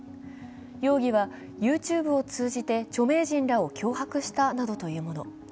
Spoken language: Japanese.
容疑はＹｏｕＴｕｂｅを通じて著名人らを脅迫したなどというもの。